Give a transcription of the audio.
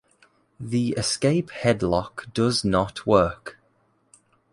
The escape headlock does not work.